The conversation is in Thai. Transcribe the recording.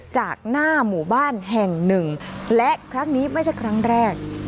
จากหน้าหมู่บ้านแห่งหนึ่งและครั้งนี้ไม่ใช่ครั้งแรก